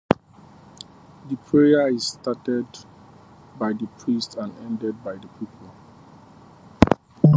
The prayer is started by the priest and ended by the people.